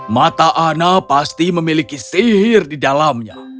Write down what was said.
mata ana pasti memiliki sihir di dalamnya